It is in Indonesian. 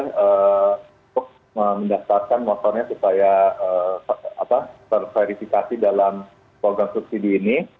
kita juga harus mendastarkan motornya supaya terverifikasi dalam program subsidi ini